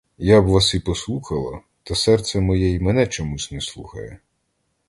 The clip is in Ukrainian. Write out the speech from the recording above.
Я б вас і послухала, та серце моє й мене чомусь не слухає.